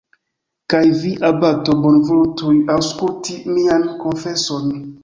Kaj vi, abato, bonvolu tuj aŭskulti mian konfeson!